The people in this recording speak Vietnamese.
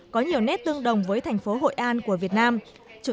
có nhiều nét tương đồng với thành phố này